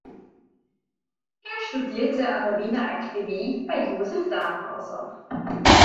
Er studierte an der Wiener Akademie bei Josef Danhauser.